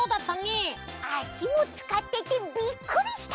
あしをつかっててびっくりした！